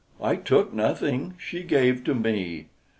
"I took nothing; she gave to me."